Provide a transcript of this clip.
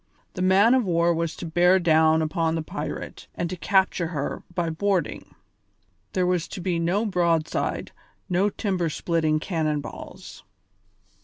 The man of war was to bear down upon the pirate and to capture her by boarding. There was to be no broadside, no timber splitting cannon balls.